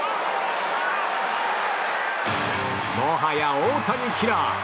もはや大谷キラー。